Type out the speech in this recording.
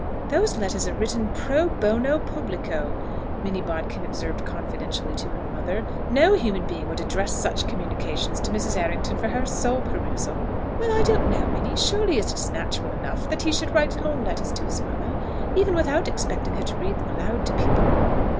"Those letters are written pro bono publico," Minnie Bodkin observed confidentially to her mother. "No human being would address such communications to Mrs. Errington for her sole perusal." "Well, I don't know, Minnie! Surely it is natural enough that he should write long letters to his mother, even without expecting her to read them aloud to people."